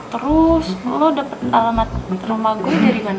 terus lo dapet alamat rumah gue darimana